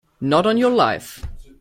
Not on your life!